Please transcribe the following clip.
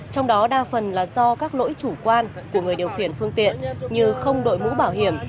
trong đó đa phần là do các lỗi chủ quan của người điều khiển phương tiện như không đội mũ bảo hiểm